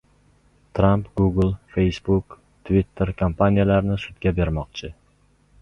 Tramp Google, Facebook va Twitter kompaniyalarini sudga bermoqchi